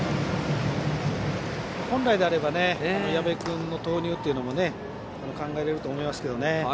本来であれば矢部君の投入も考えられると思いますけどね。